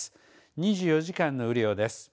２４時間の雨量です。